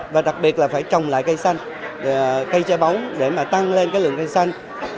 và đặc biệt là phải trồng lại cây xanh cây chai bóng để tăng lên lượng cây xanh